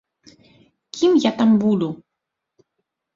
Кім я там буду?